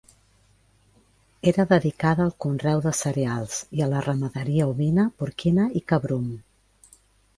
Era dedicada al conreu de cereals, i a la ramaderia ovina, porquina i cabrum.